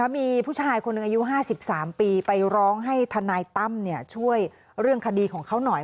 มีผู้ชายคนหนึ่งอายุ๕๓ปีไปร้องให้ทนายตั้มช่วยเรื่องคดีของเขาหน่อย